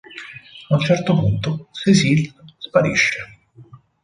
A un certo punto Cécile sparisce.